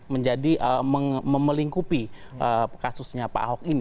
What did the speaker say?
menjadi memelingkupi kasusnya pak ahok ini